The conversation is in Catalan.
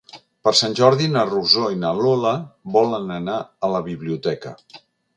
Per Sant Jordi na Rosó i na Lola volen anar a la biblioteca.